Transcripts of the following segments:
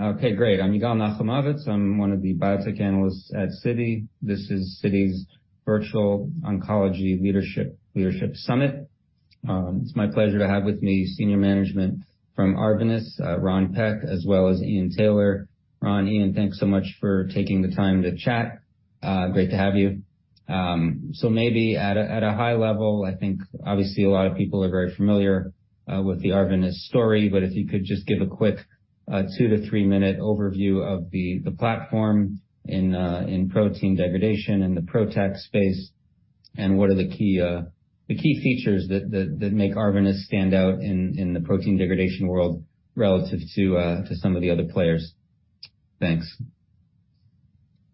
Okay, great. I'm Yigal Nochomovitz. I'm one of the biotech analysts at Citi. This is Citi's Virtual Oncology Leadership Summit. It's my pleasure to have with me senior management from Arvinas, Ron Peck, as well as Ian Taylor. Ron, Ian, thanks so much for taking the time to chat. Great to have you. Maybe at a high level, I think obviously a lot of people are very familiar with the Arvinas story, but if you could just give a quick 2-3 minute overview of the platform in protein degradation and the PROTAC space, and what are the key features that make Arvinas stand out in the protein degradation world relative to some of the other players. Thanks.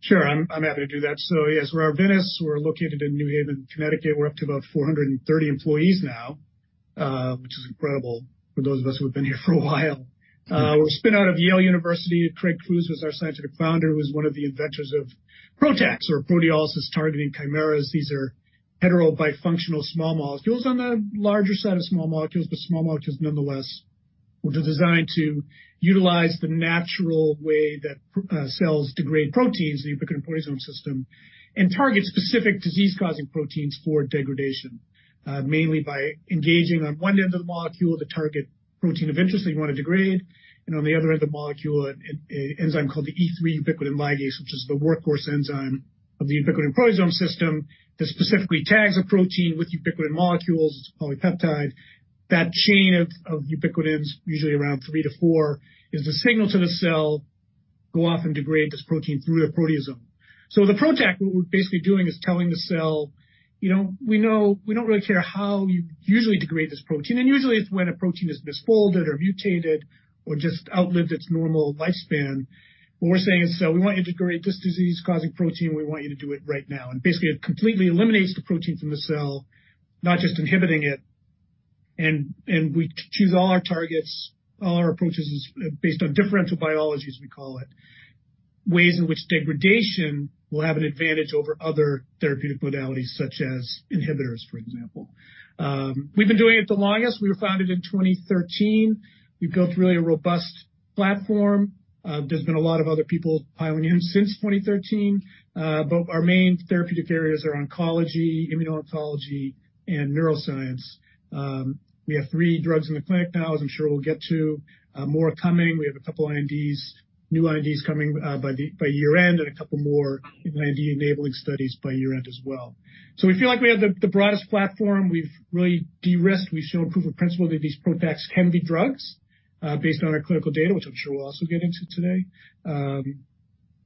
Sure. I'm happy to do that. Yes, we're Arvinas. We're located in New Haven, Connecticut. We're up to about 430 employees now, which is incredible for those of us who have been here for a while. We're a spin-out of Yale University. Craig Crews was our scientific founder, who was one of the inventors of PROTACs or proteolysis-targeting chimeras. These are heterobifunctional small molecules on the larger side of small molecules, but small molecules nonetheless, which are designed to utilize the natural way that cells degrade proteins, the ubiquitin-proteasome system, and target specific disease-causing proteins for degradation, mainly by engaging on one end of the molecule, the target protein of interest that you want to degrade, and on the other end of the molecule, an enzyme called the E3 ubiquitin ligase, which is the workhorse enzyme of the ubiquitin-proteasome system that specifically tags a protein with ubiquitin molecules. It's a polypeptide. That chain of ubiquitins, usually around three to four, is the signal to the cell, go off and degrade this protein through the proteasome. The PROTAC, what we're basically doing is telling the cell, you know, we know we don't really care how you usually degrade this protein, and usually it's when a protein is misfolded or mutated or just outlived its normal lifespan. What we're saying is, we want you to degrade this disease-causing protein, and we want you to do it right now. Basically, it completely eliminates the protein from the cell, not just inhibiting it. We choose all our targets, all our approaches is based on differential biologies, we call it, ways in which degradation will have an advantage over other therapeutic modalities, such as inhibitors, for example. We've been doing it the longest. We were founded in 2013. We've built really a robust platform. There's been a lot of other people piling in since 2013. Our main therapeutic areas are oncology, immuno-oncology, and neuroscience. We have 3 drugs in the clinic now, as I'm sure we'll get to. More are coming. We have 2 INDs, new INDs coming by year-end and 2 more IND-enabling studies by year-end as well. We feel like we have the broadest platform. We've really de-risked. We've shown proof of principle that these PROTACs can be drugs, based on our clinical data, which I'm sure we'll also get into today.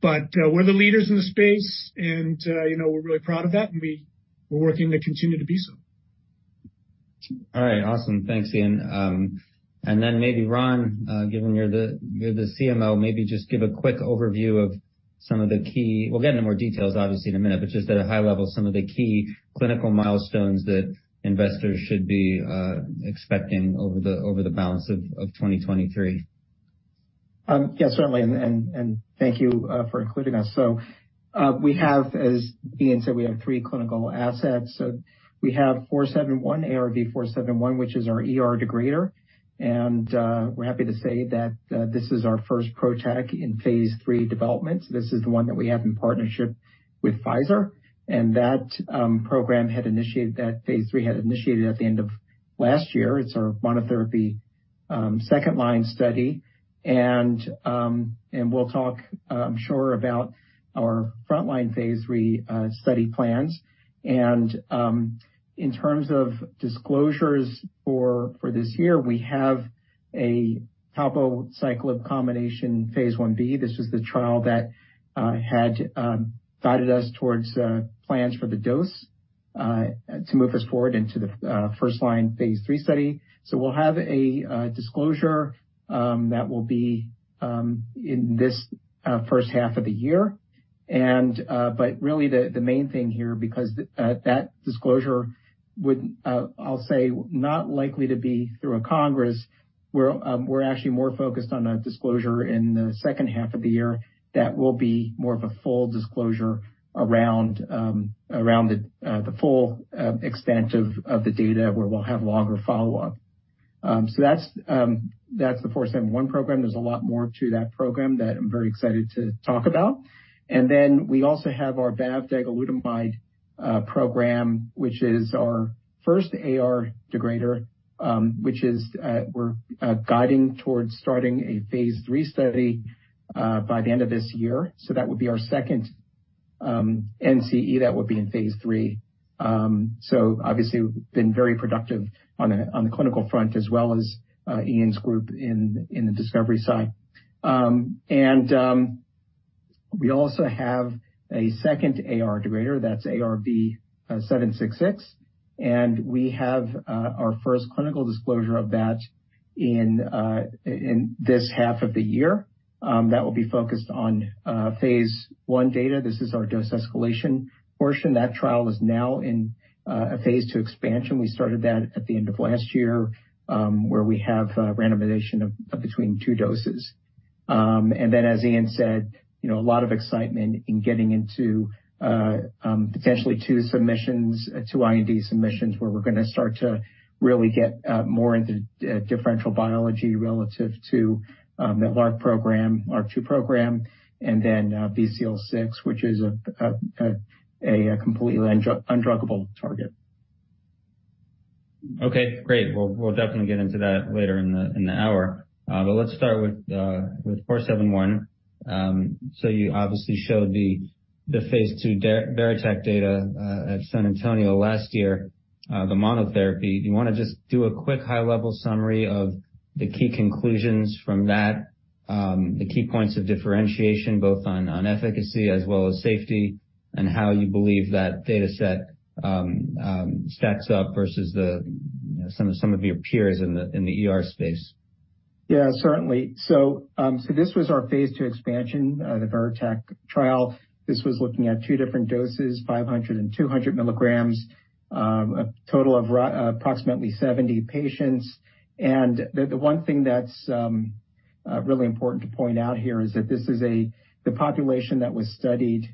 We're the leaders in the space and, you know, we're really proud of that and we're working to continue to be so. All right. Awesome. Thanks, Ian. And then maybe Ron, given you're the CMO, maybe just give a quick overview of some of the key... We'll get into more details obviously in a minute, but just at a high level, some of the key clinical milestones that investors should be expecting over the balance of 2023. Yeah, certainly and thank you for including us. We have, as Ian said, we have 3 clinical assets. We have 471, ARV-471, which is our ER degrader. We're happy to say that this is our first PROTAC in Phase 3 development. This is the one that we have in partnership with Pfizer. Program had initiated, Phase 3 had initiated at the end of last year. It's our monotherapy, second line study. We'll talk, I'm sure about our frontline Phase 3 study plans. In terms of disclosures for this year, we have a Palbo cycle of combination Phase 1B. This was the trial that had guided us towards plans for the dose to move us forward into the first-line Phase 3 study. We'll have a disclosure that will be in this first half of the year. But really the main thing here, because that disclosure would I'll say not likely to be through a congress, we're actually more focused on a disclosure in the second half of the year that will be more of a full disclosure around around the full extent of the data where we'll have longer follow-up. That's the ARV-471 program. There's a lot more to that program that I'm very excited to talk about. We also have our bavdegalutamide program, which is our first AR degrader, which we're guiding towards starting a Phase 3 study by the end of this year. That would be our second NCE that would be in Phase 3. Obviously, we've been very productive on the clinical front as well as Ian's group in the discovery side. We also have a second AR degrader, that's ARV-766. We have our first clinical disclosure of that in this half of the year, that will be focused on Phase 1 data. This is our dose escalation portion. That trial is now in a Phase 2 expansion. We started that at the end of last year, where we have randomization of between two doses. Then as Ian said, you know, a lot of excitement in getting into potentially two submissions, two IND submissions where we're gonna start to really get more into differential biology relative to the LRRK2 program, ARC-two program, and then BCL6, which is a completely undruggable target. Okay, great. We'll, we'll definitely get into that later in the hour. Let's start with 471. You obviously showed the Phase 2 VERITAC data at San Antonio last year, the monotherapy. Do you wanna just do a quick high-level summary of the key conclusions from that, the key points of differentiation both on efficacy as well as safety, and how you believe that dataset stacks up versus the, you know, some of your peers in the ER space? Yeah, certainly. This was our Phase 2 expansion, the VERITAC trial. This was looking at 2 different doses, 500 mg and 200 mg, a total of approximately 70 patients. The one thing that's really important to point out here is that the population that was studied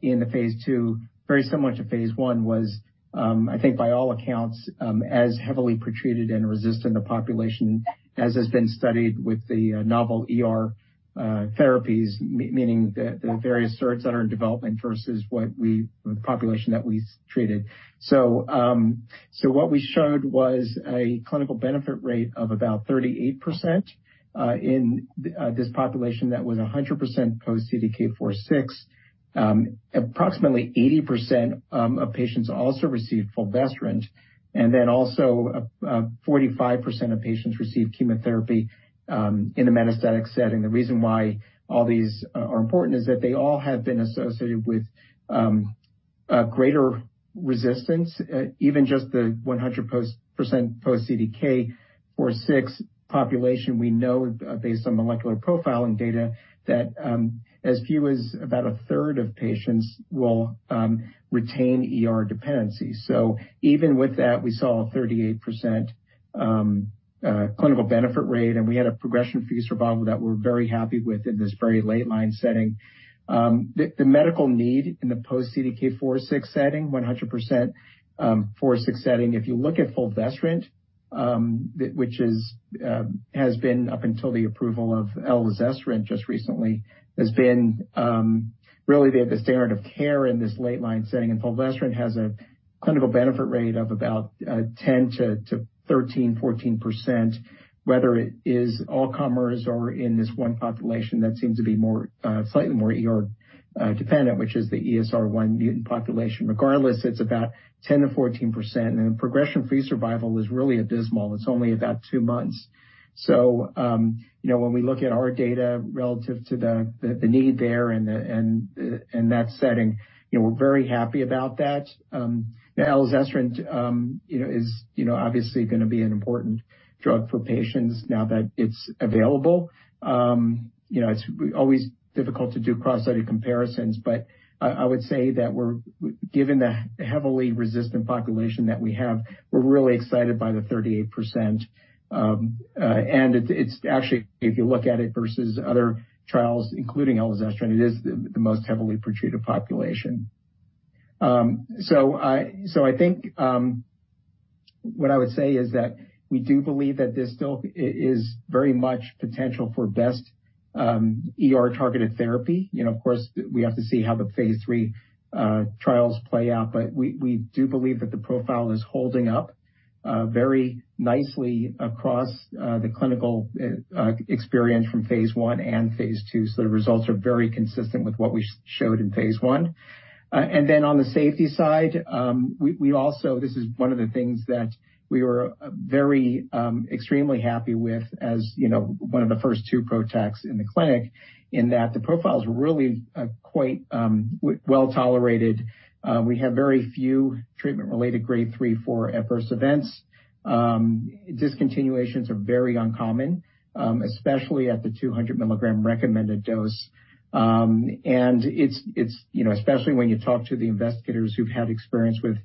in the Phase 2, very similar to Phase 1, was, I think by all accounts, as heavily pretreated and resistant a population as has been studied with the novel ER therapies. Meaning the various SERDs that are in development versus the population that we treated. What we showed was a Clinical Benefit Rate of about 38% in this population that was 100% post-CDK4/6. Approximately 80% of patients also received fulvestrant, and then also a 45% of patients received chemotherapy in the metastatic setting. The reason why all these are important is that they all have been associated with greater resistance. Even just the 100 post-percent post CDK4/6 population we know, based on molecular profiling data, that as few as about a third of patients will retain ER dependency. Even with that, we saw a 38% Clinical Benefit Rate, and we had a progression-free survival that we're very happy with in this very late line setting. The medical need in the post-CDK4/6 setting, 100% 4/6 setting. If you look at fulvestrant, which has been up until the approval of elacestrant just recently, has been really the standard of care in this late line setting. Fulvestrant has a Clinical Benefit Rate of about 10-14%, whether it is all comers or in this one population that seems to be more, slightly more ER-dependent, which is the ESR1-mutant population. Regardless, it's about 10-14%, and progression-free survival is really abysmal. It's only about two months. You know, when we look at our data relative to the need there and that setting, you know, we're very happy about that. The elacestrant, you know, is, you know, obviously gonna be an important drug for patients now that it's available. You know, it's always difficult to do cross-study comparisons, but I would say that given the heavily resistant population that we have, we're really excited by the 38%. Actually, if you look at it versus other trials, including elacestrant, it is the most heavily pretreated population. I think what I would say is that we do believe that there still is very much potential for best ER-targeted therapy. You know, of course, we have to see how the Phase 3 trials play out, but we do believe that the profile is holding up very nicely across the clinical experience from Phase 1 and Phase 2. The results are very consistent with what we showed in Phase 1. On the safety side, this is one of the things that we were very extremely happy with. You know, one of the first 2 PROTACs in the clinic, in that the profile's really quite well tolerated. We have very few treatment-related grade 3/4 adverse events. Discontinuations are very uncommon, especially at the 200 mg recommended dose. It's, you know, especially when you talk to the investigators who've had experience with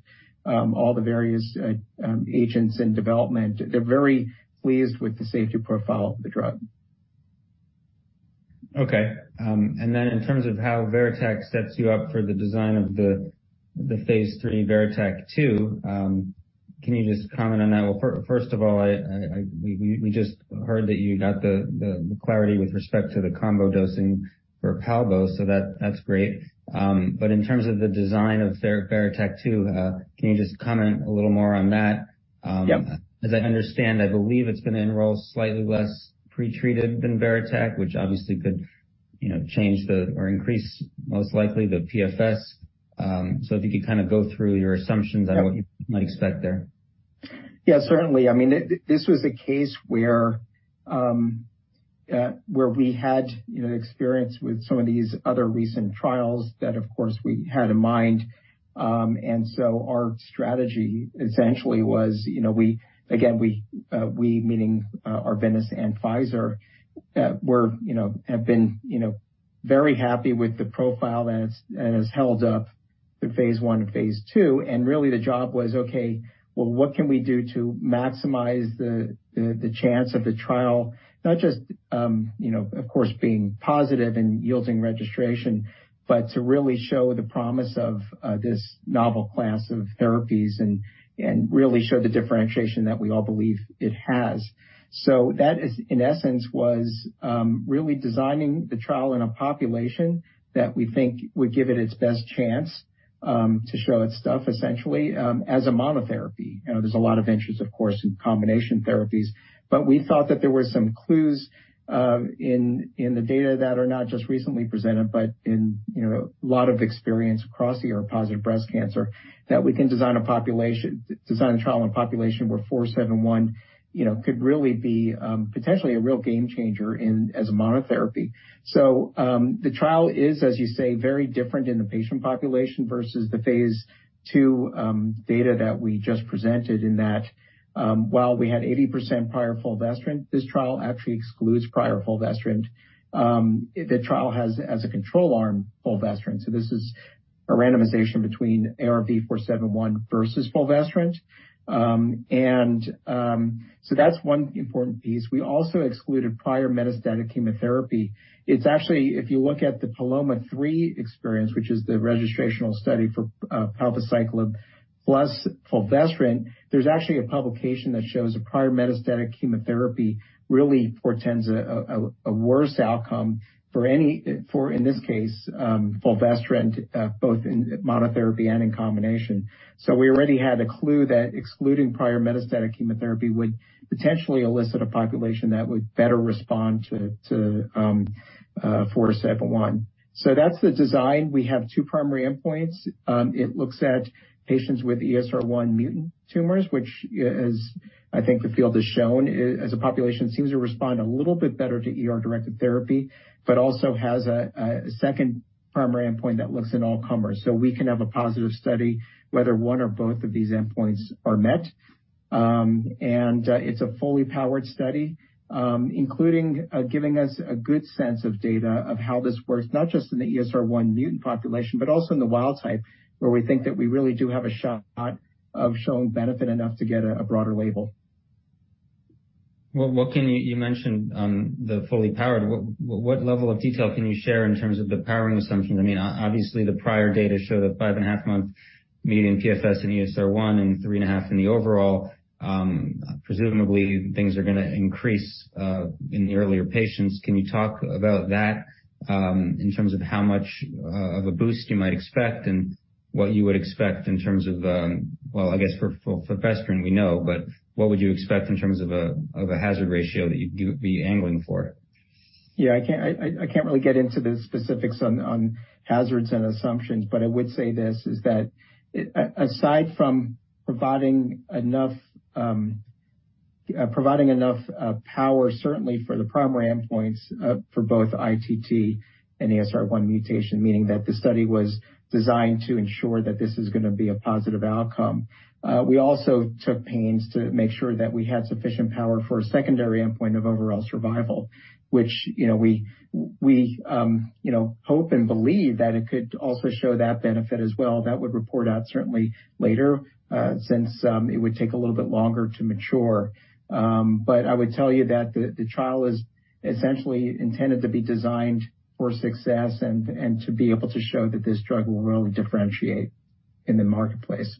all the various agents in development, they're very pleased with the safety profile of the drug. In terms of how VERITAC sets you up for the design of the Phase 3 VERITAC-2, can you just comment on that? First of all, we just heard that you got the clarity with respect to the combo dosing for Palbo, that's great. In terms of the design of VERITAC-2, can you just comment a little more on that? Yeah. As I understand, I believe it's gonna enroll slightly less pretreated than VERITAC, which obviously could, you know, change the or increase, most likely, the PFS. If you could kinda go through your assumptions on what you might expect there? Yeah, certainly. I mean, this was a case where we had, you know, experience with some of these other recent trials that, of course, we had in mind. Our strategy essentially was, you know, we again, we meaning Arvinas and Pfizer, we're you know, have been, you know, very happy with the profile that has held up. The Phase 1 and Phase 2, and really the job was, okay, well, what can we do to maximize the chance of the trial. Not just, you know, of course, being positive and yielding registration, but to really show the promise of this novel class of therapies and really show the differentiation that we all believe it has. That is, in essence, was really designing the trial in a population that we think would give it its best chance to show its stuff essentially as a monotherapy. You know, there's a lot of interest, of course, in combination therapies, we thought that there were some clues in the data that are not just recently presented, but in, you know, a lot of experience across ER positive breast cancer that we can design a trial and population where 471, you know, could really be potentially a real game changer in as a monotherapy. The trial is, as you say, very different in the patient population versus the Phase 2 data that we just presented in that while we had 80% prior fulvestrant, this trial actually excludes prior fulvestrant. The trial has, as a control arm, fulvestrant, this is a randomization between ARV-471 versus fulvestrant. That's one important piece. We also excluded prior metastatic chemotherapy. It's actually, if you look at the PALOMA-3 experience, which is the registrational study for Palbociclib plus fulvestrant, there's actually a publication that shows a prior metastatic chemotherapy really portends a worse outcome for in this case, fulvestrant, both in monotherapy and in combination. We already had a clue that excluding prior metastatic chemotherapy would potentially elicit a population that would better respond to 471. That's the design. We have two primary endpoints. It looks at patients with ESR1 mutant tumors, which is, I think the field has shown as a population, seems to respond a little bit better to ER-directed therapy, but also has a second primary endpoint that looks in all comers. We can have a positive study whether 1 or both of these endpoints are met. It's a fully powered study, including giving us a good sense of data of how this works, not just in the ESR1 mutant population, but also in the wild type, where we think that we really do have a shot of showing benefit enough to get a broader label. Well, you mentioned the fully powered. What level of detail can you share in terms of the powering assumptions? I mean, obviously, the prior data show that 5 and a half month median PFS in ESR1 and 3 and a half in the overall. Presumably, things are gonna increase in the earlier patients. Can you talk about that in terms of how much of a boost you might expect and what you would expect in terms of, well, I guess for fulvestrant, we know, but what would you expect in terms of a hazard ratio that you'd be angling for? Yeah, I can't, I can't really get into the specifics on hazards and assumptions, but I would say this, is that aside from providing enough power, certainly for the primary endpoints, for both ITT and ESR1 mutation, meaning that the study was designed to ensure that this is gonna be a positive outcome. We also took pains to make sure that we had sufficient power for a secondary endpoint of overall survival, which, you know, we, you know, hope and believe that it could also show that benefit as well. That would report out certainly later, since it would take a little bit longer to mature. I would tell you that the trial is essentially intended to be designed for success and to be able to show that this drug will really differentiate in the marketplace.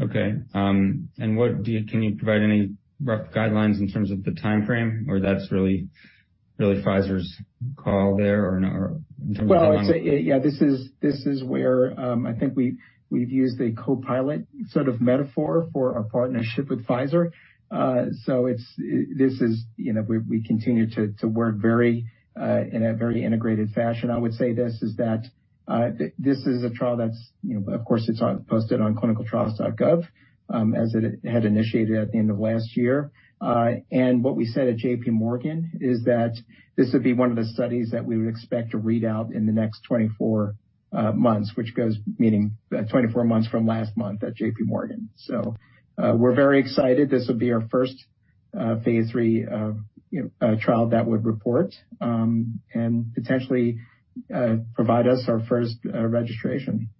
Okay. Can you provide any rough guidelines in terms of the timeframe or that's really Pfizer's call there or no? I'd say, yeah, this is where, I think we've used a co-pilot sort of metaphor for our partnership with Pfizer. It's, you know, we continue to work very in a very integrated fashion. I would say this, is that this is a trial that's, you know, of course, posted on ClinicalTrials.gov, as it had initiated at the end of last year. What we said at JPMorgan is that this would be one of the studies that we would expect to read out in the next 24 months, which goes meaning 24 months from last month at JPMorgan. We're very excited. This would be our first Phase 3, you know, trial that would report, and potentially provide us our first registration.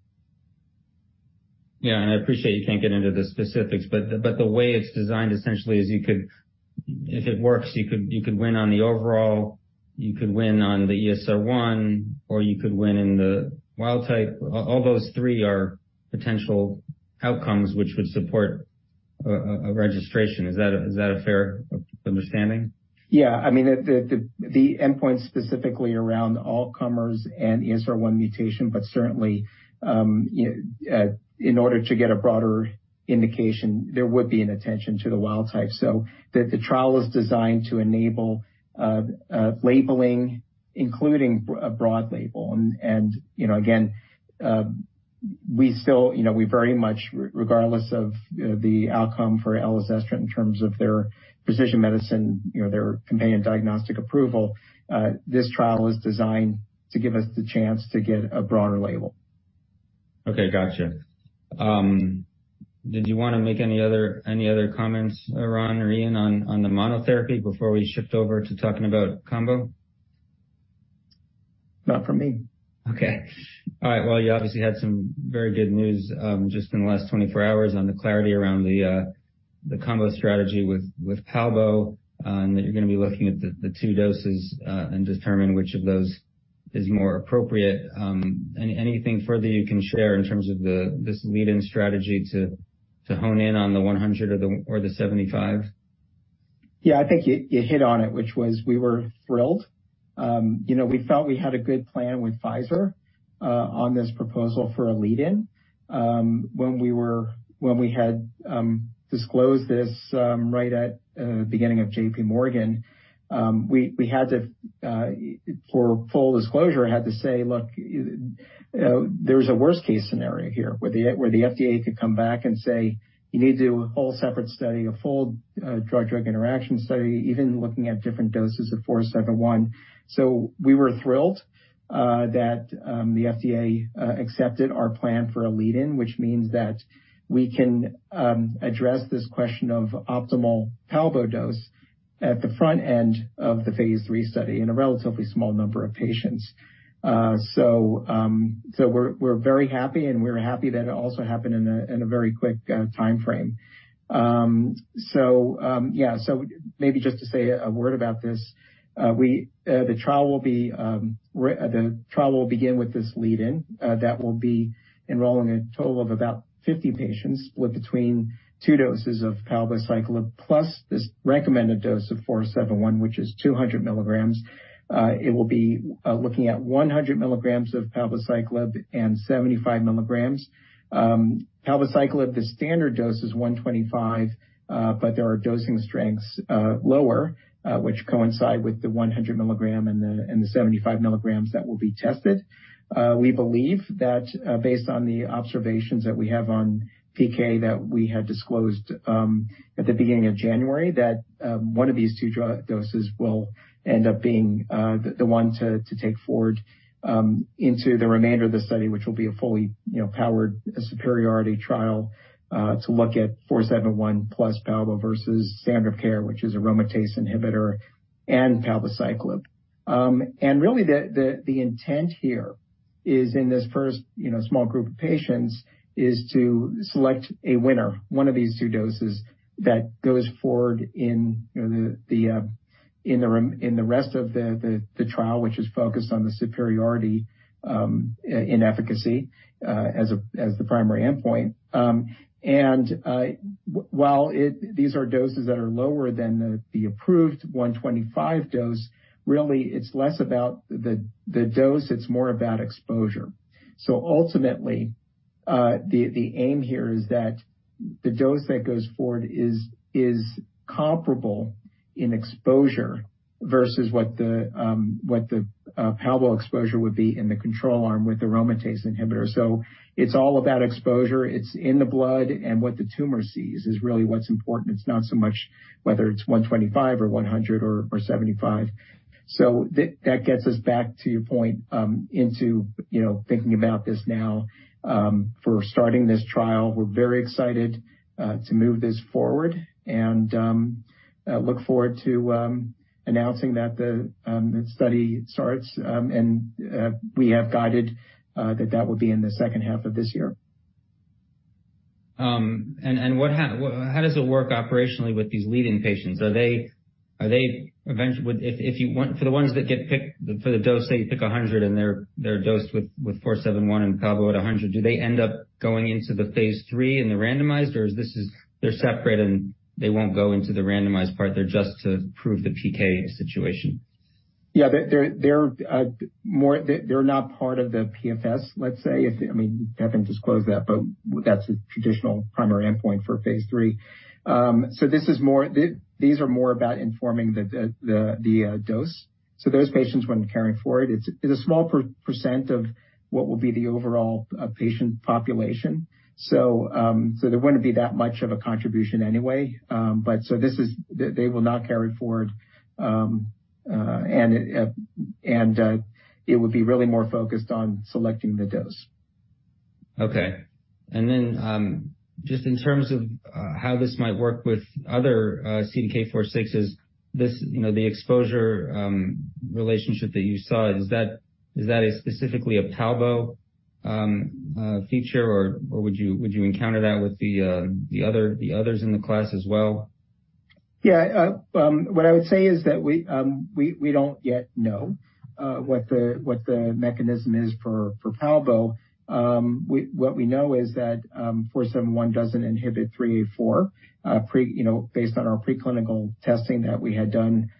Yeah. I appreciate you can't get into the specifics, but the way it's designed essentially is you could if it works, you could win on the overall, you could win on the ESR1, or you could win in the wild type. All those three are potential outcomes which would support a registration. Is that a fair understanding? Yeah. I mean, the endpoint specifically around all comers and ESR1 mutation. Certainly, in order to get a broader indication, there would be an attention to the wild type. The trial is designed to enable labeling, including a broad label. And, you know, again, we still, you know, we very much, regardless of, you know, the outcome for elacestrant in terms of their precision medicine, you know, their companion diagnostic approval, this trial is designed to give us the chance to get a broader label. Gotcha. Did you want to make any other comments, Ron or Ian, on the monotherapy before we shift over to talking about combo? Not from me. Okay. All right. Well, you obviously had some very good news, just in the last 24 hours on the clarity around the combo strategy with Palbo, and that you're gonna be looking at the 2 doses and determine which of those is more appropriate. Anything further you can share in terms of this lead-in strategy to hone in on the 100 or the 75? Yeah, I think you hit on it, which was we were thrilled. You know, we felt we had a good plan with Pfizer on this proposal for a lead-in. When we had disclosed this, right at beginning of JPMorgan, we had to, for full disclosure, had to say, "Look, you know, there's a worst case scenario here where the FDA could come back and say you need to do a whole separate study, a full drug-drug interaction study, even looking at different doses of 471." We were thrilled that the FDA accepted our plan for a lead-in, which means that we can address this question of optimal Palbo dose at the front end of the Phase 3 study in a relatively small number of patients. We're very happy, and we're happy that it also happened in a very quick timeframe. The trial will begin with this lead-in that will be enrolling a total of about 50 patients with between 2 doses of Palbociclib, plus this recommended dose of ARV-471, which is 200 mgs. Looking at 100 mgs of Palbociclib and 75 mgs. Palbociclib, the standard dose is 125, but there are dosing strengths lower, which coincide with the 100 mg and the 75 mgs that will be tested. We believe that, based on the observations that we have on PK that we had disclosed, at the beginning of January, that 1 of these 2 drug doses will end up being the 1 to take forward into the remainder of the study, which will be a fully, you know, powered superiority trial, to look at ARV-471 plus Palbo versus standard care, which is aromatase inhibitor and Palbociclib. Really the, the intent here is in this first, you know, small group of patients, is to select a winner, 1 of these 2 doses that goes forward in, you know, the, in the rest of the, the trial, which is focused on the superiority, in efficacy, as a, as the primary endpoint. While it these are doses that are lower than the approved 125 dose, really it's less about the dose, it's more about exposure. Ultimately, the aim here is that the dose that goes forward is comparable in exposure versus what the Palbo exposure would be in the control arm with aromatase inhibitor. It's all about exposure. It's in the blood, and what the tumor sees is really what's important. It's not so much whether it's 125 or 100 or 75. That gets us back to your point, into, you know, thinking about this now, for starting this trial. We're very excited to move this forward and look forward to announcing that the study starts, and we have guided that that will be in the second half of this year. How does it work operationally with these lead-in patients? Are they for the ones that get picked for the dose, say you pick 100 and they're dosed with ARV-471 and Palbo at 100, do they end up going into the Phase 3 and they're randomized or is this they're separate and they won't go into the randomized part, they're just to prove the PK situation? Yeah. They're not part of the PFS, let's say. I mean, we haven't disclosed that, but that's a traditional primary endpoint for Phase 3. These are more about informing the dose. Those patients wouldn't carry forward. It's a small % of what will be the overall patient population. There wouldn't be that much of a contribution anyway. They will not carry forward, and it would be really more focused on selecting the dose. Okay. Just in terms of how this might work with other CDK4/6s, this, you know, the exposure relationship that you saw, is that specifically a Palbo feature or would you encounter that with the others in the class as well? Yeah. What I would say is that we don't yet know what the mechanism is for Palbo. What we know is that 471 doesn't inhibit 384, you know, based on our preclinical testing that we had done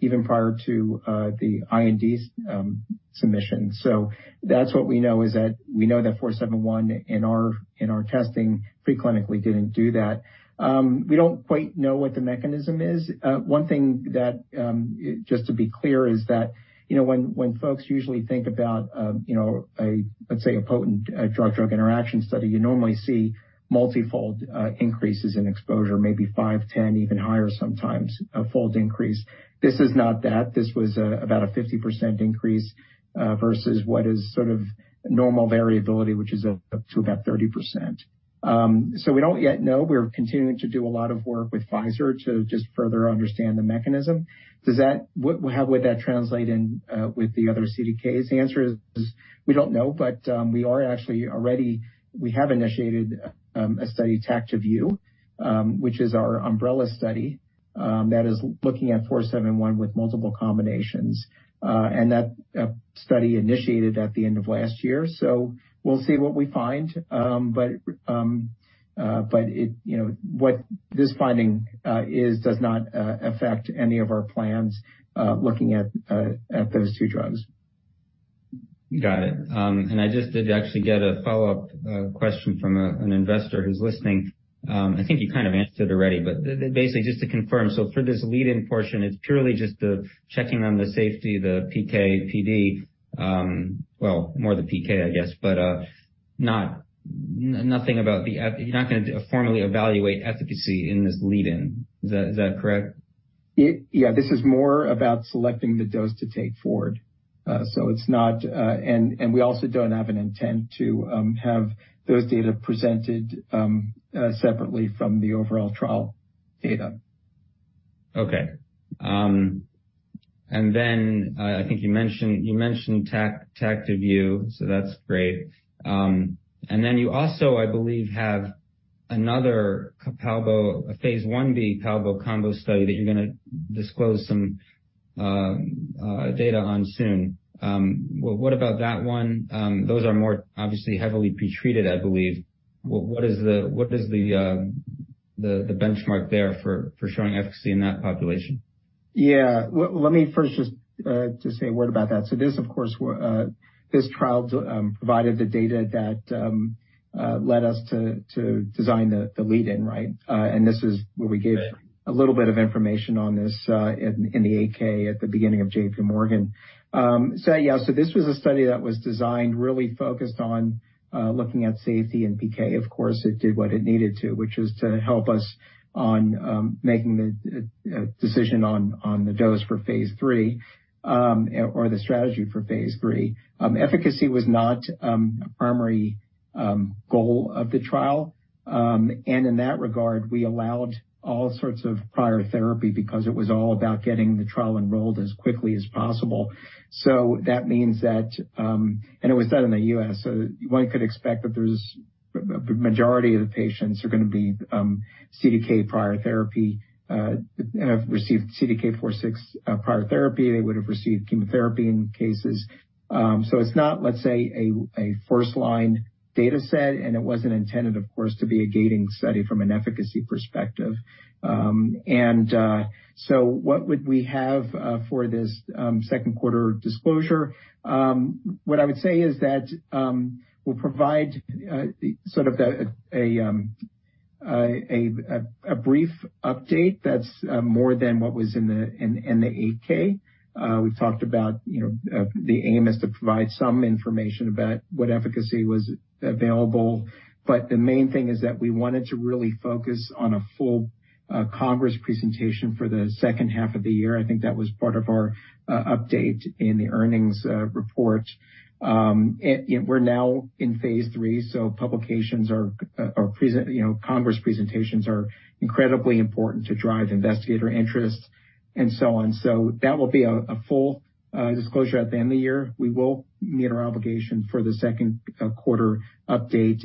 even prior to the IND's submission. That's what we know is that 471 in our testing preclinically didn't do that. We don't quite know what the mechanism is. One thing that, just to be clear is that, you know, when folks usually think about, you know, let's say a potent drug-drug interaction study, you normally see multifold increases in exposure, maybe 5, 10, even higher sometimes, a fold increase. This is not that. This was about a 50% increase versus what is sort of normal variability, which is up to about 30%. We don't yet know. We're continuing to do a lot of work with Pfizer to just further understand the mechanism. How would that translate in with the other CDKs? The answer is, we don't know, but we are actually already initiated a study, TACTIVE-U, which is our umbrella study. That is looking at 471 with multiple combinations. That study initiated at the end of last year, so we'll see what we find. But it, you know, what this finding is, does not affect any of our plans, looking at those two drugs. Got it. I just did actually get a follow-up question from an investor who's listening. I think you kind of answered it already, but basically just to confirm, for this lead-in portion, it's purely just the checking on the safety, the PK/PD. Well, more the PK, I guess, but nothing about the You're not gonna formally evaluate efficacy in this lead-in. Is that correct? Yeah, this is more about selecting the dose to take forward. It's not. We also don't have an intent to have those data presented separately from the overall trial data. Okay. I think you mentioned TACTIVE-U, that's great. You also, I believe, have another Palbo, a Phase 1b Palbo combo study that you're gonna disclose some data on soon. Well, what about that one? Those are more obviously heavily pre-treated, I believe. What is the benchmark there for showing efficacy in that population? Well, let me first just say a word about that. This of course, this trial provided the data that led us to design the lead-in, right? This is where we gave a little bit of information on this in the 8-K at the beginning of JPMorgan. This was a study that was designed, really focused on looking at safety and PK. Of course, it did what it needed to, which was to help us on making the decision on the dose for Phase 3 or the strategy for Phase 3. Efficacy was not a primary goal of the trial. In that regard, we allowed all sorts of prior therapy because it was all about getting the trial enrolled as quickly as possible. That means that, it was done in the U.S., so one could expect that there's a majority of the patients are gonna be CDK prior therapy and have received CDK4/6 prior therapy. They would have received chemotherapy in cases. It's not, let's say, a first-line data set, and it wasn't intended, of course, to be a gating study from an efficacy perspective. What would we have for this second-quarter disclosure? What I would say is that we'll provide sort of a brief update that's more than what was in the 8-K. We've talked about, you know, the aim is to provide some information about what efficacy was available, but the main thing is that we wanted to really focus on a full congress presentation for the second half of the year. I think that was part of our update in the earnings report. We're now in Phase 3, publications are, you know, congress presentations are incredibly important to drive investigator interest and so on. That will be a full disclosure at the end of the year. We will meet our obligation for the second-quarter update,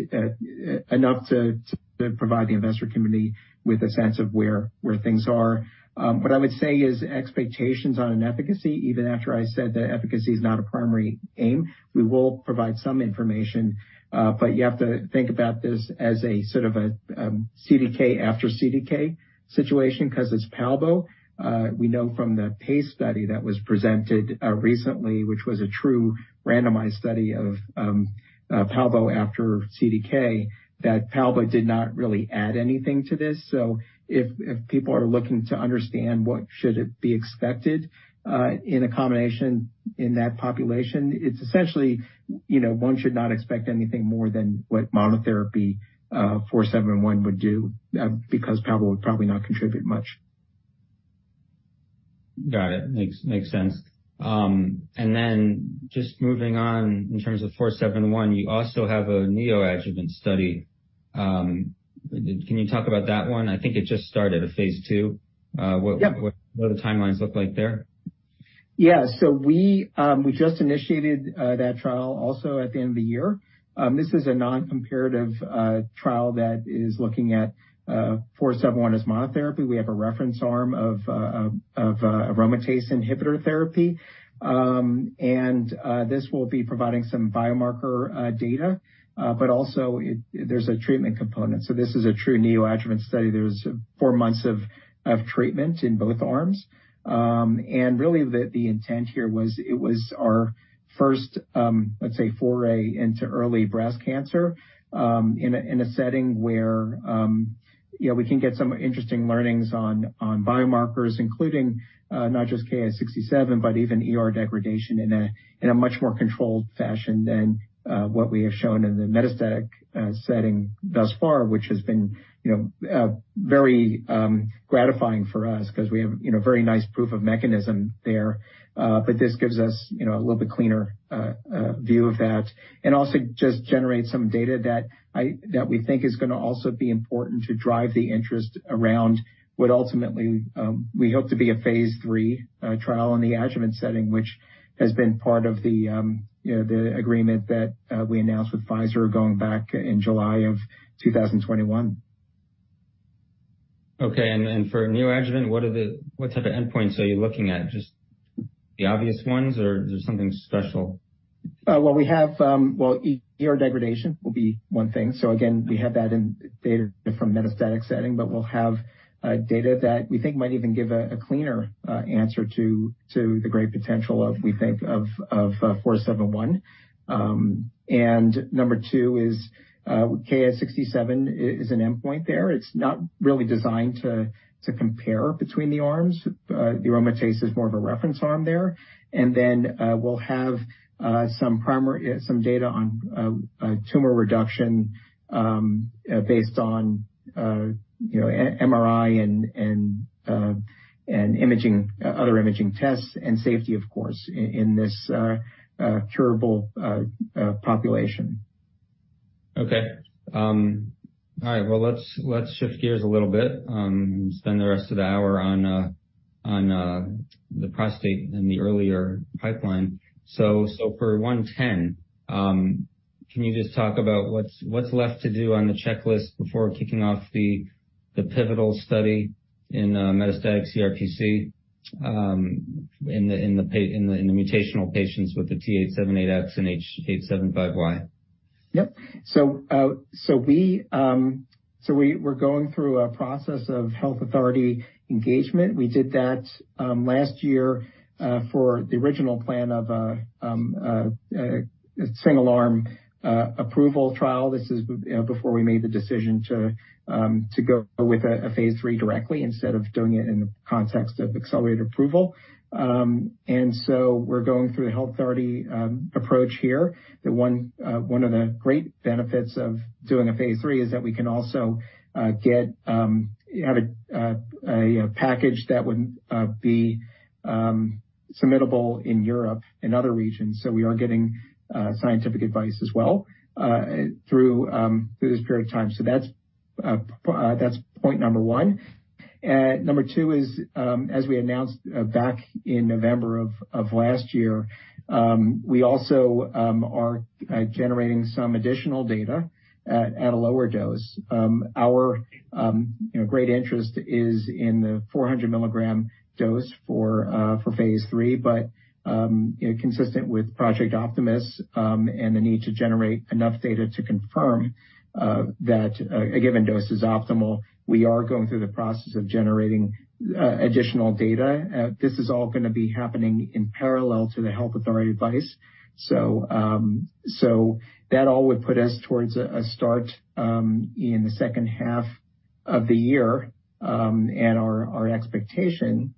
enough to provide the investor community with a sense of where things are. What I would say is expectations on an efficacy, even after I said that efficacy is not a primary aim, we will provide some information, but you have to think about this as a sort of a CDK after CDK situation 'cause it's Palbociclib. We know from the PACE study that was presented recently, which was a true randomized study of Palbociclib after CDK, that Palbociclib did not really add anything to this. If people are looking to understand what should be expected in a combination in that population, it's essentially, you know, one should not expect anything more than what monotherapy ARV-471 would do, because Palbociclib would probably not contribute much. Got it. Makes sense. Just moving on, in terms of ARV-471, you also have a neoadjuvant study. Can you talk about that one? I think it just started a Phase 2. Yep. What do the timelines look like there? We just initiated that trial also at the end of the year. This is a non-comparative trial that is looking at ARV-471 as monotherapy. We have a reference arm of aromatase inhibitor therapy. This will be providing some biomarker data, but also there's a treatment component. This is a true neoadjuvant study. There's four months of treatment in both arms. Really the intent here was it was our first, let's say, foray into early breast cancer, in a setting where, you know, we can get some interesting learnings on biomarkers, including not just Ki-67, but even ER degradation in a much more controlled fashion than what we have shown in the metastatic setting thus far, which has been, you know, very gratifying for us 'cause we have, you know, very nice proof of mechanism there. This gives us, you know, a little bit cleaner view of that. Also just generate some data that we think is gonna also be important to drive the interest around what ultimately, we hope to be a Phase 3 trial in the adjuvant setting, which has been part of the, you know, the agreement that we announced with Pfizer going back in July of 2021. Okay. For neoadjuvant, what type of endpoints are you looking at? Just the obvious ones or is there something special? Well, we have, well, AR degradation will be one thing. Again, we have that in data from metastatic setting, but we'll have data that we think might even give a cleaner answer to the great potential of, we think, of, 471. Number two is, Ki-67 is an endpoint there. It's not really designed to compare between the arms. The aromatase is more of a reference arm there. We'll have some data on tumor reduction, based on, you know, MRI and, and imaging, other imaging tests and safety, of course, in this curable population. Okay. All right. Well, let's shift gears a little bit and spend the rest of the hour on the prostate and the earlier pipeline. For ARV-110, can you just talk about what's left to do on the checklist before kicking off the pivotal study in metastatic CRPC in the mutational patients with the T878X and H875Y? Yep. We're going through a process of health authority engagement. We did that last year for the original plan of a single-arm approval trial. This is you know, before we made the decision to go with a Phase 3 directly instead of doing it in the context of accelerated approval. We're going through the health authority approach here. The one great benefit of doing a Phase 3 is that we can also get, have a, you know, package that would be submittable in Europe and other regions. We are getting scientific advice as well through this period of time. That's point number one. number two is, as we announced back in November of last year, we also are generating some additional data at a lower dose. Our, you know, great interest is in the 400 mg dose for Phase 3. You know, consistent with Project Optimus, and the need to generate enough data to confirm that a given dose is optimal, we are going through the process of generating additional data. This is all gonna be happening in parallel to the health authority advice. That all would put us towards a start in the second half of the year, and our expectation,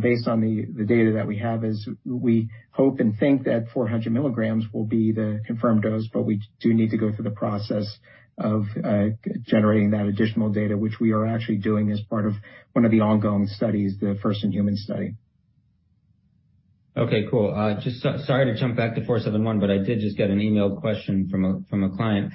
based on the data that we have is we hope and think that 400 mgs will be the confirmed dose, but we do need to go through the process of generating that additional data, which we are actually doing as part of one of the ongoing studies, the first in human study. Okay, cool. I did just get an emailed question from a client.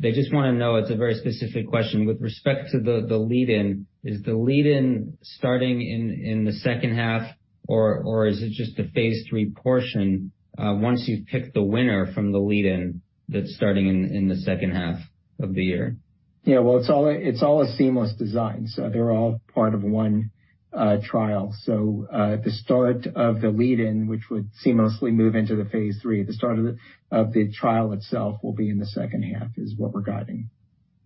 They just wanna know, it's a very specific question, with respect to the lead in, is the lead in starting in the second half or is it just the Phase 3 portion, once you've picked the winner from the lead in that's starting in the second half of the year? Well, it's all a seamless design, they're all part of one trial. The start of the lead in, which would seamlessly move into the Phase 3, the start of the trial itself will be in the second half, is what we're guiding.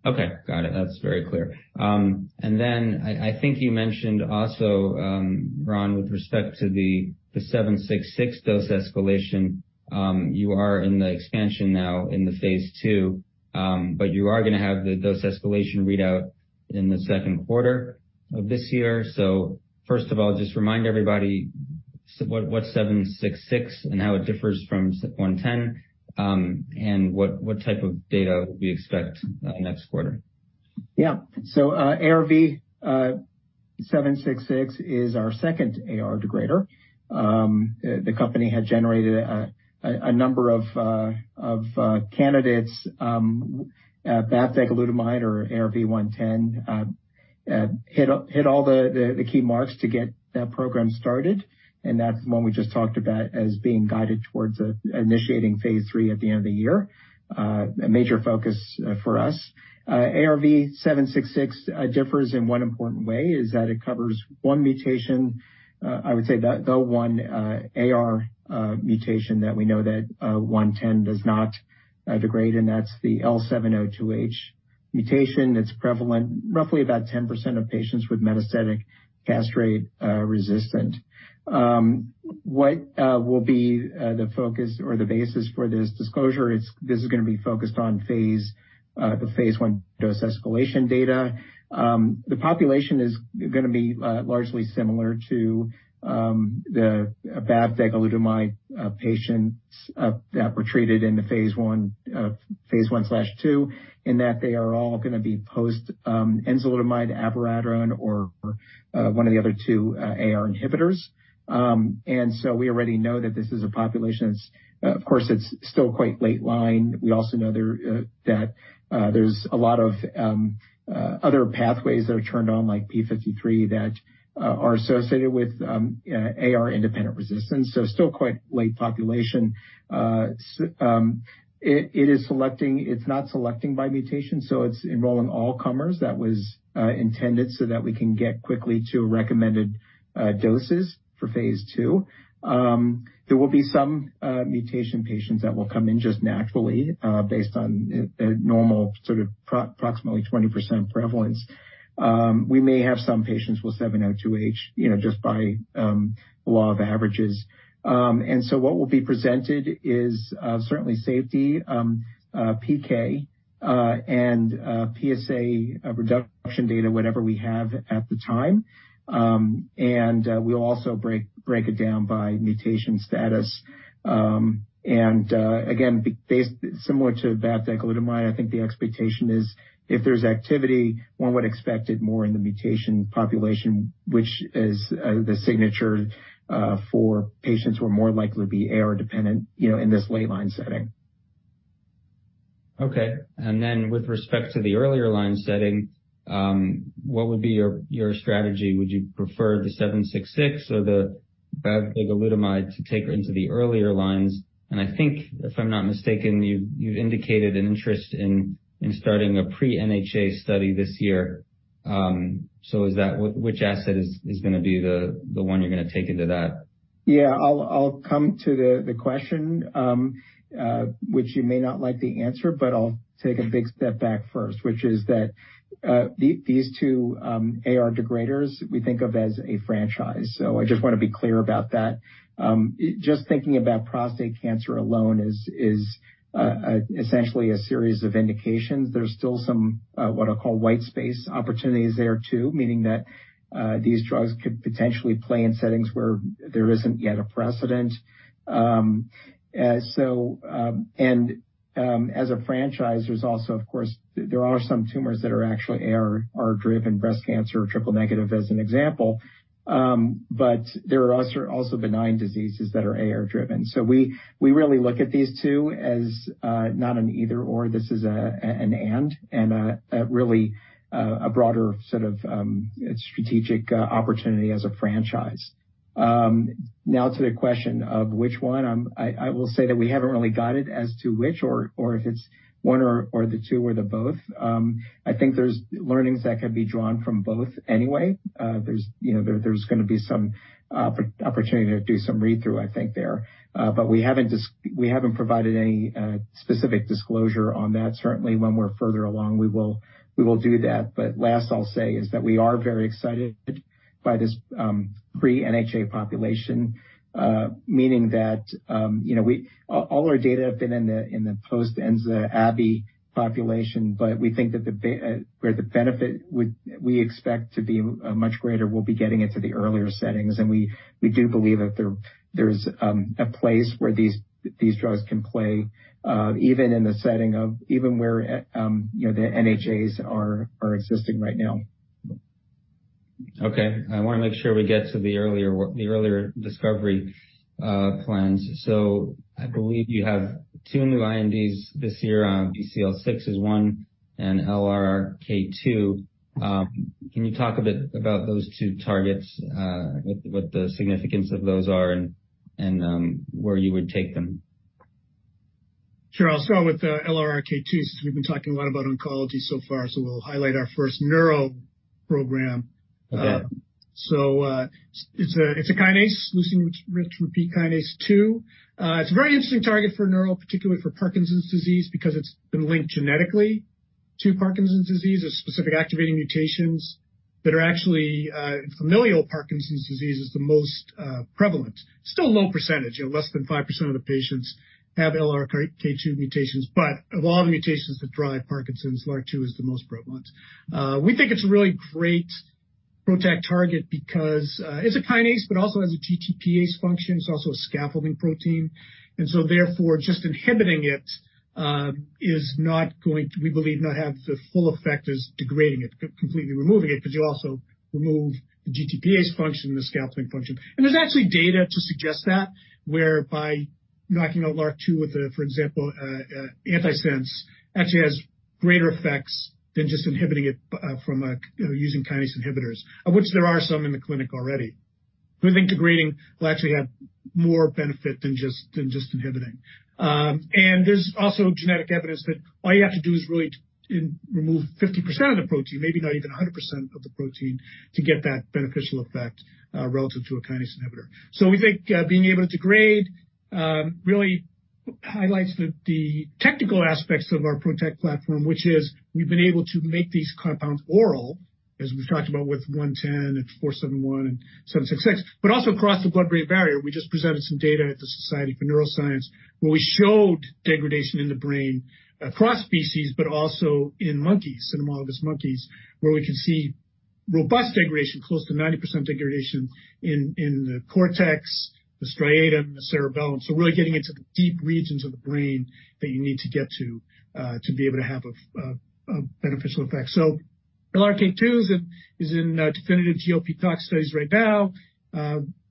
Okay. Got it. That's very clear. I think you mentioned also, Ron, with respect to the ARV-766 dose escalation, you are in the expansion now in the Phase 2, but you are gonna have the dose escalation readout in the second quarter of this year. First of all, just remind everybody so what's ARV-766 and how it differs from ARV-110, and what type of data would we expect next quarter? Yeah. ARV-766 is our second AR degrader. The company had generated a number of candidates, bavdegalutamide or ARV-110, hit all the key marks to get that program started, and that's the 1 we just talked about as being guided towards initiating Phase 3 at the end of the year. A major focus for us. ARV-766 differs in 1 important way, is that it covers 1 mutation, I would say the 1 AR mutation that we know that 110 does not degrade, and that's the L702H mutation that's prevalent roughly about 10% of patients with metastatic castrate resistant. What will be the focus or the basis for this disclosure is this is gonna be focused on the Phase 1 dose escalation data. The population is gonna be largely similar to the bavdegalutamide patients that were treated in the Phase 1/two, in that they are all gonna be post enzalutamide abiraterone or one of the other two AR inhibitors. We already know that this is a population that's, of course, it's still quite late line. We also know that there's a lot of other pathways that are turned on, like p53, that are associated with AR-independent resistance, so still quite late population. It is not selecting by mutation, so it's enrolling all comers. That was intended so that we can get quickly to recommended doses for Phase 2. There will be some mutation patients that will come in just naturally, based on normal sort of approximately 20% prevalence. We may have some patients with L702H, you know, just by law of averages. What will be presented is certainly safety, PK, and PSA reduction data, whatever we have at the time. We'll also break it down by mutation status. Again, based similar to bavdegalutamide, I think the expectation is if there's activity, one would expect it more in the mutation population, which is the signature for patients who are more likely to be AR dependent, you know, in this late-line setting. With respect to the earlier line setting, what would be your strategy? Would you prefer the ARV-766 or the bavdegalutamide to take into the earlier lines? I think, if I'm not mistaken, you indicated an interest in starting a pre-NHA study this year. So which asset is gonna be the one you're gonna take into that? Yeah, I'll come to the question, which you may not like the answer, but I'll take a big step back first, which is that these two AR degraders we think of as a franchise. I just wanna be clear about that. Just thinking about prostate cancer alone is essentially a series of indications. There's still some what I'll call white space opportunities there too, meaning that these drugs could potentially play in settings where there isn't yet a precedent. As a franchise, there's also of course, there are some tumors that are actually AR driven breast cancer or triple negative, as an example. There are also benign diseases that are AR driven. We really look at these two as not an either/or. This is a really a broader sort of strategic opportunity as a franchise. Now to the question of which one. I will say that we haven't really got it as to which or if it's one or the two or the both. I think there's learnings that can be drawn from both anyway. There's, you know, there's gonna be some opportunity to do some read-through, I think, there. We haven't provided any specific disclosure on that. Certainly, when we're further along, we will do that. Last I'll say is that we are very excited by this pre-NHA population, meaning that, you know, all our data have been in the post Enza/abiraterone population, but we think that where the benefit would, we expect to be much greater, we'll be getting it to the earlier settings. We do believe that there's a place where these drugs can play even in the setting of even where, you know, the NHAs are existing right now. Okay. I wanna make sure we get to the earlier the earlier discovery, plans. I believe you have two new INDs this year. BCL6 is one, and LRRK2. Can you talk a bit about those two targets, what the significance of those are and where you would take them? Sure. I'll start with the LRRK2, since we've been talking a lot about oncology so far, so we'll highlight our first neuro program. Okay. It's a kinase, Leucine-rich repeat kinase 2. It's a very interesting target for neuro, particularly for Parkinson's disease, because it's been linked genetically to Parkinson's disease, a specific activating mutations that are actually familial Parkinson's disease is the most prevalent. Still a low percentage, you know, less than 5% of the patients have LRRK2 mutations, but of all the mutations that drive Parkinson's, LRRK2 is the most prevalent. We think it's a really great PROTAC target because it's a kinase but also has a GTPase function. It's also a scaffolding protein. Just inhibiting it is not going to, we believe, not have the full effect as degrading it, completely removing it, because you also remove the GTPase function and the scaffolding function. There's actually data to suggest that, whereby knocking out LRRK2 with a, for example, antisense actually has greater effects than just inhibiting it, from, you know, using kinase inhibitors, of which there are some in the clinic already. We think degrading will actually have more benefit than just inhibiting. There's also genetic evidence that all you have to do is really remove 50% of the protein, maybe not even 100% of the protein, to get that beneficial effect, relative to a kinase inhibitor. We think, being able to degrade, really highlights the technical aspects of our PROTAC platform, which is we've been able to make these compounds oral, as we've talked about with one ten and four seven one and seven six six, but also across the blood-brain barrier. We just presented some data at the Society for Neuroscience, where we showed degradation in the brain across species, but also in monkeys, cynomolgus monkeys, where we can see robust degradation, close to 90% degradation in the cortex, the striatum, the cerebellum. Really getting into the deep regions of the brain that you need to get to to be able to have a beneficial effect. LRRK2 is in definitive GLP tox studies right now.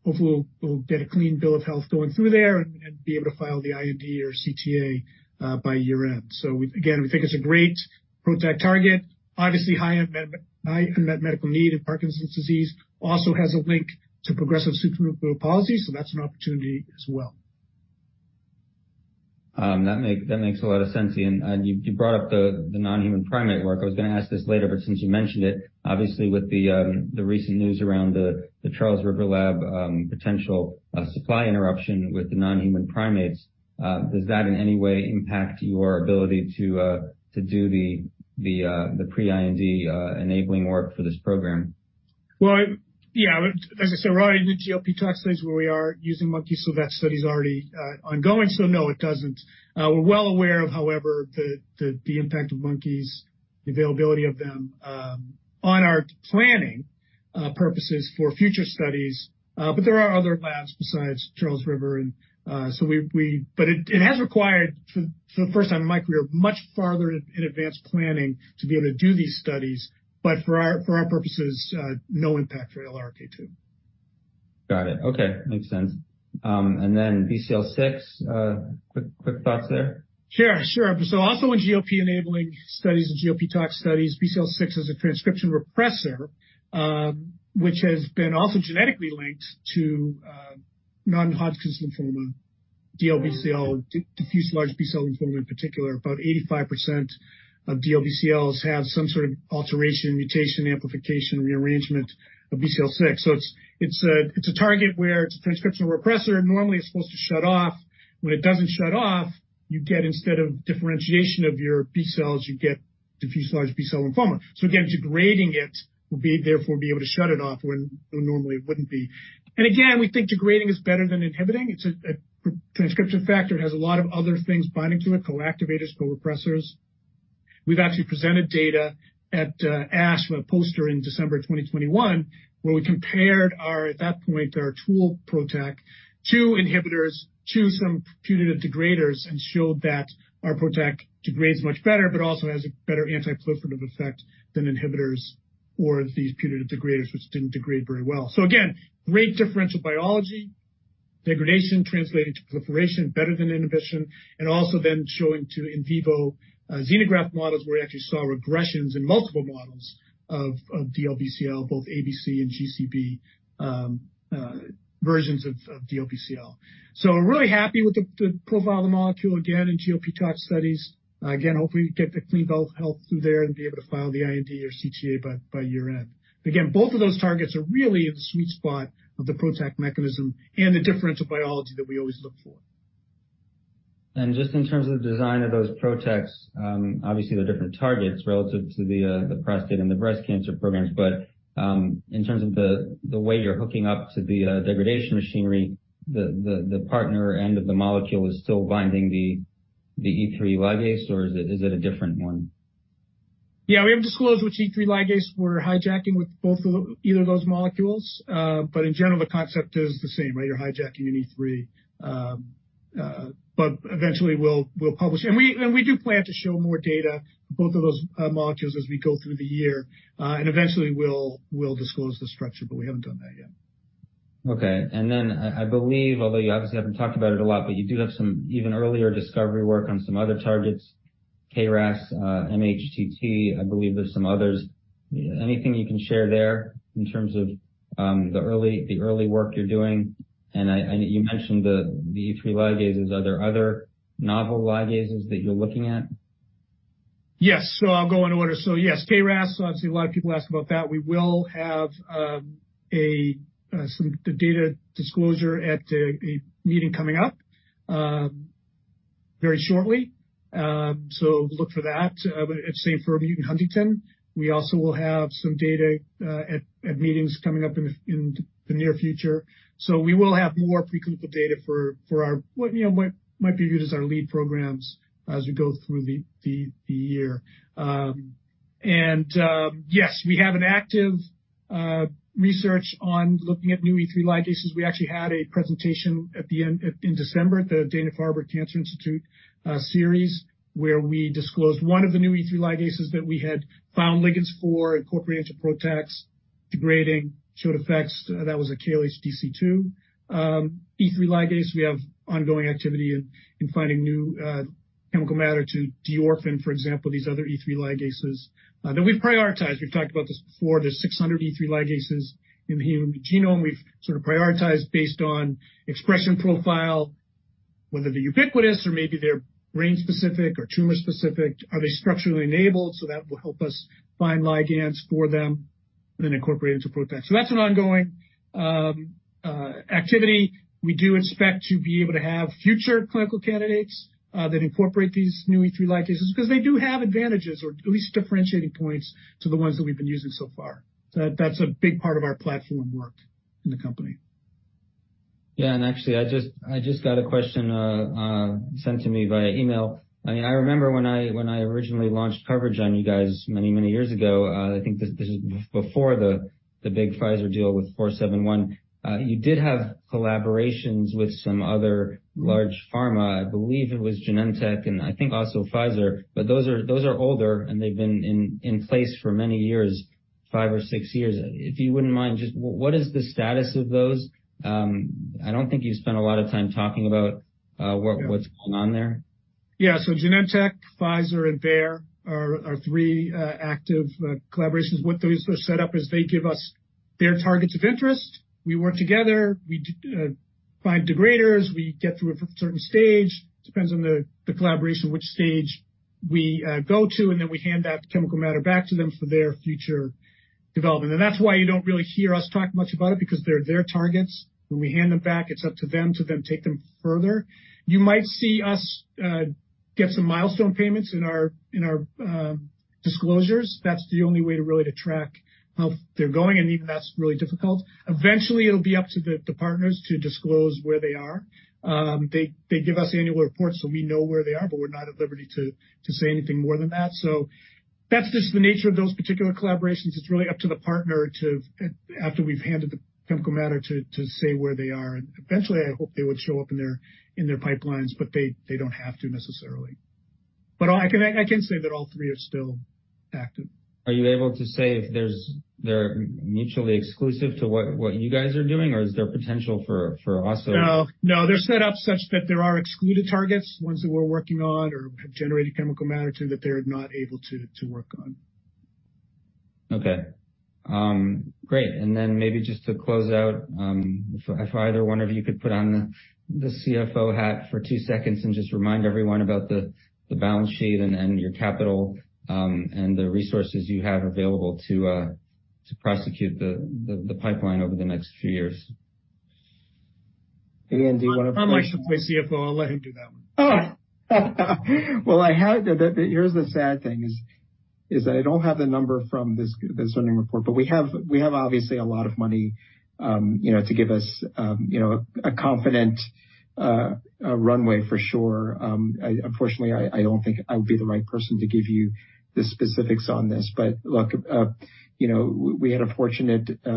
Hopefully we'll get a clean bill of health going through there and be able to file the IND or CTA by year-end. Again, we think it's a great PROTAC target. Obviously, high unmet medical need in Parkinson's disease. Also has a link to progressive supranuclear palsy, so that's an opportunity as well. That makes a lot of sense. You brought up the non-human primate work. I was gonna ask this later, but since you mentioned it, obviously with the recent news around the Charles River lab, potential supply interruption with the non-human primates, does that in any way impact your ability to do the pre-IND enabling work for this program? Yeah, as I said, we're already in the GLP tox studies where we are using monkeys, that study is already ongoing. No, it doesn't. We're well aware of, however, the impact of monkeys, the availability of them, on our planning purposes for future studies. There are other labs besides Charles River and we. It has required for the first time in my career, much farther in advanced planning to be able to do these studies. For our purposes, no impact for LRP2. Got it. Okay. Makes sense. BCL6, quick thoughts there. Sure, sure. Also in GLP-enabling studies and GLP tox studies, BCL6 is a transcription repressor, which has been also genetically linked to non-Hodgkin lymphoma, DLBCL, diffuse large B-cell lymphoma in particular. About 85% of DLBCLs have some sort of alteration, mutation, amplification, rearrangement of BCL6. It's a target where it's a transcription repressor. Normally, it's supposed to shut off. When it doesn't shut off, you get instead of differentiation of your B cells, you get diffuse large B-cell lymphoma. Again, degrading it will be therefore be able to shut it off when normally it wouldn't be. Again, we think degrading is better than inhibiting. It's a transcription factor. It has a lot of other things binding to it, co-activators, co-repressors. We've actually presented data at ASH, a poster in December 2021, where we compared our, at that point, our tool PROTAC to inhibitors, to some putative degraders, and showed that our PROTAC degrades much better but also has a better anti-proliferative effect than inhibitors or these putative degraders, which didn't degrade very well. Again, great differential biology, degradation translated to proliferation better than inhibition, and also then showing to in vivo xenograft models, where we actually saw regressions in multiple models of DLBCL, both ABC and GCB versions of DLBCL. We're really happy with the profile of the molecule again in GLP tox studies. Again, hopefully we get the clean bill of health through there and be able to file the IND or CTA by year-end. Both of those targets are really in the sweet spot of the PROTAC mechanism and the differential biology that we always look for. Just in terms of the design of those PROTACs, obviously, they're different targets relative to the prostate and the breast cancer programs. In terms of the way you're hooking up to the degradation machinery, the partner end of the molecule is still binding the E3 ubiquitin ligase, or is it a different one? Yeah, we haven't disclosed which E3 ligase we're hijacking with either of those molecules. In general, the concept is the same, right? You're hijacking an E3, but eventually, we'll publish. We do plan to show more data, both of those molecules as we go through the year. Eventually, we'll disclose the structure, but we haven't done that yet. Okay. I believe, although you obviously haven't talked about it a lot, but you do have some even earlier discovery work on some other targets, KRAS, mHTT, I believe there's some others. Anything you can share there in terms of the early, the early work you're doing? I know you mentioned the E3 ligases. Are there other novel ligases that you're looking at? Yes. I'll go in order. Yes, KRAS, obviously, a lot of people ask about that. We will have the data disclosure at a meeting coming up very shortly. Look for that. It's St. Jude in Huntington. We also will have some data at meetings coming up in the near future. We will have more preclinical data for our what, you know, might be viewed as our lead programs as we go through the year. Yes, we have an active research on looking at new E3 ligases. We actually had a presentation in December at the Dana-Farber Cancer Institute series, where we disclosed one of the new E3 ligases that we had found ligands for, incorporated into PROTACs, degrading, showed effects. That was a KLHDC2. E3 ligase, we have ongoing activity in finding new chemical matter to de-orphan, for example, these other E3 ligases that we've prioritized. We've talked about this before. There's 600 E3 ligases in the human genome. We've sort of prioritized based on expression profile, whether they're ubiquitous or maybe they're brain-specific or tumor-specific. Are they structurally enabled? That will help us find ligands for them, then incorporate into PROTAC. That's an ongoing activity. We do expect to be able to have future clinical candidates that incorporate these new E3 ligases 'cause they do have advantages or at least differentiating points to the ones that we've been using so far. That's a big part of our platform work in the company. Yeah. Actually, I just got a question sent to me via email. I mean, I remember when I originally launched coverage on you guys many, many years ago, I think this is before the big Pfizer deal with ARV-471. You did have collaborations with some other large pharma. I believe it was Genentech and I think also Pfizer. Those are older, and they've been in place for many years, 5 or 6 years. If you wouldn't mind, just what is the status of those? I don't think you spent a lot of time talking about... Yeah. what's going on there? Yeah. Genentech, Pfizer and Bayer are three active collaborations. What those are set up is they give us their targets of interest. We work together. We find degraders. We get through a certain stage. Depends on the collaboration, which stage we go to, then we hand that chemical matter back to them for their future development. That's why you don't really hear us talk much about it because they're their targets. When we hand them back, it's up to them to then take them further. You might see us get some milestone payments in our disclosures. That's the only way to really track how they're going, even that's really difficult. Eventually, it'll be up to the partners to disclose where they are. They give us annual reports, so we know where they are, but we're not at liberty to say anything more than that. That's just the nature of those particular collaborations. It's really up to the partner after we've handed the chemical matter, to say where they are. Eventually, I hope they would show up in their pipelines, but they don't have to necessarily. I can say that all three are still active. Are you able to say if they're mutually exclusive to what you guys are doing or is there potential for also? No. No, they're set up such that there are excluded targets, ones that we're working on or have generated chemical matter to that they're not able to work on. Okay. Great. Maybe just to close out, if either one of you could put on the CFO hat for 2 seconds and just remind everyone about the balance sheet and your capital and the resources you have available to prosecute the pipeline over the next few years. Ian? I'm not supposed to play CFO, I'll let him do that one. Well, I had... The sad thing is that I don't have the number from this earnings report, but we have obviously a lot of money, you know, to give us, you know, a confident runway for sure. I unfortunately, I don't think I would be the right person to give you the specifics on this. Look, you know, we had a fortunate, you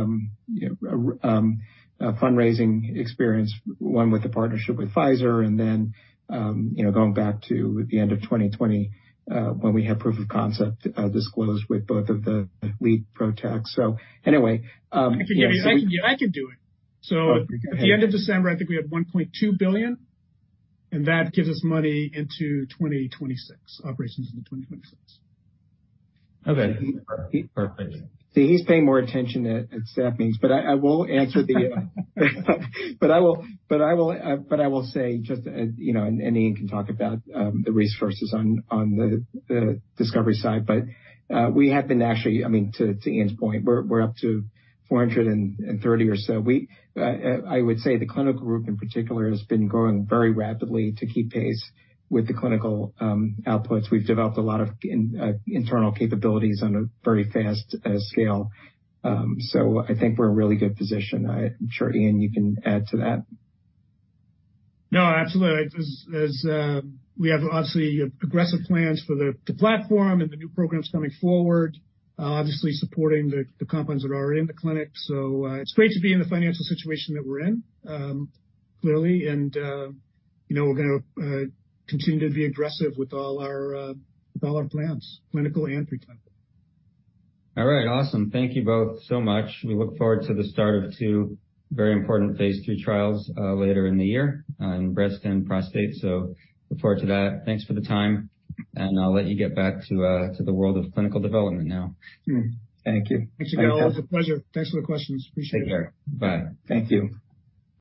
know, fundraising experience, one with the partnership with Pfizer and then, you know, going back to the end of 2020, when we had proof of concept disclosed with both of the lead PROTACs. Anyway, yes. I can give you. I can do it. Oh, okay. At the end of December, I think we had $1.2 billion, and that gives us money into 2026. Operations into 2026. Okay. Perfect. See, he's paying more attention at staff meetings, but I will say just, you know, and Ian can talk about the resources on the discovery side, but we have been actually I mean, to Ian's point, we're up to 430 or so. We I would say the clinical group, in particular, has been growing very rapidly to keep pace with the clinical outputs. We've developed a lot of internal capabilities on a very fast scale. I think we're in a really good position. I'm sure, Ian, you can add to that. No, absolutely. As we have obviously aggressive plans for the platform and the new programs coming forward, obviously supporting the compounds that are already in the clinic. It's great to be in the financial situation that we're in, clearly. You know, we're gonna continue to be aggressive with all our plans, clinical and pre-clinical. All right. Awesome. Thank you both so much. We look forward to the start of two very important Phase III trials, later in the year on breast and prostate. Look forward to that. Thanks for the time, and I'll let you get back to the world of clinical development now. Thank you. Thanks, Yigal. It was a pleasure. Thanks for the questions. Appreciate it. Take care. Bye. Thank you.